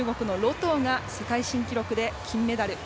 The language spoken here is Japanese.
冬が世界新記録で金メダル。